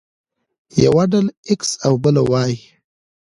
يوه ډله ايکس او بله وايي.